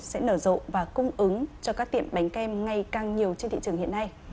sẽ nở rộ và cung ứng cho các tiệm bánh kem ngày càng nhiều trên thị trường hiện nay